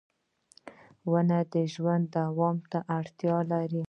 • ونه د ژوند دوام ته اړتیا لري.